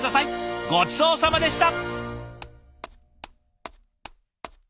ごちそうさまでした！